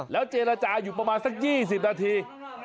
เจรจาอยู่ประมาณสัก๒๐นาที